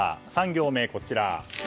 ３行目、こちら。